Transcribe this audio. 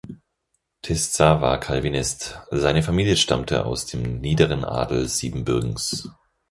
Tisza war Calvinist, seine Familie stammte aus dem niederen Adel Siebenbürgens.